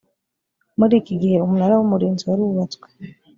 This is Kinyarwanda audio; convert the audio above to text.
muri iki gihe umunara w umurinzi warubatswe